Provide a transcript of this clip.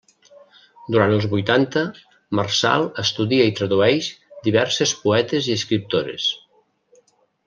Durant els vuitanta, Marçal estudia i tradueix diverses poetes i escriptores.